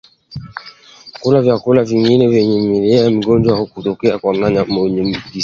Kula vyakula vingine vyenye vimelea vya ugonjwa kutoka kwa mnyama mwenye maambukizi